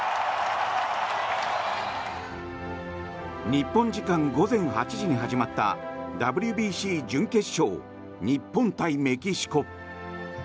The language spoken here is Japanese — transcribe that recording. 日本時間午前８時に始まったＷＢＣ準決勝日本対メキシコ。